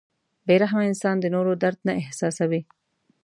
• بې رحمه انسان د نورو درد نه احساسوي.